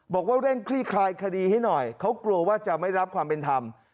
บอกว่าเร่งคลี่คลายคดีให้หน่อยเขากลัวว่าจะไม่รับความเป็นธรรม